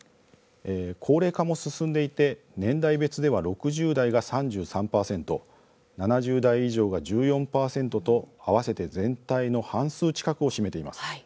高齢化も進んでいて年代別では６０代が３３％７０代以上が１４％と合わせて全体の半数近くを占めています。